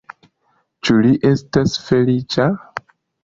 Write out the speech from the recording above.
Ĉu li estas feliĉa?